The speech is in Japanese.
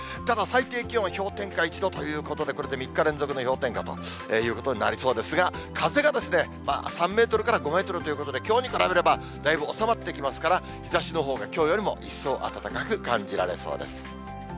ただ、最低気温は氷点下１度ということで、これで３日連続の氷点下ということになりそうですが、風がですね、３メートルから５メートルということで、きょうに比べればだいぶ収まってきますから、日ざしのほうがきょうよりも一層暖かく感じられそうです。